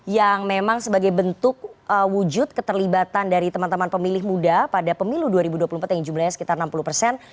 yang memang sebagai bentuk wujud keterlibatan dari teman teman pemilih muda pada pemilu dua ribu dua puluh empat yang jumlahnya sekitar enam puluh persen